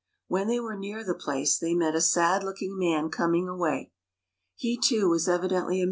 When they were near the place, they met a sad looking man coming away. He, too, was evidently a.